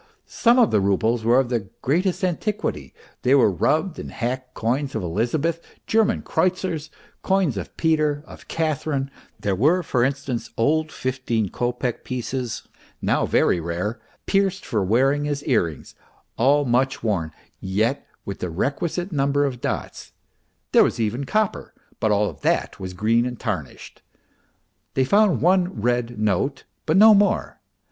. Some of the roubles were of the greatest antiquity, they were rubbed and hacked coins of Elizabeth, German kreutzers, coins of Peter, of Catherine ; there were, for instance, old fifteen kopeck pieces, now very rare, pierced for wearing as earrings, all much worn, yet with the requisite number of dots ... there was even copper, but all of that was green and tarnished. ... They found one red note, but no more.